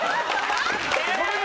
待って！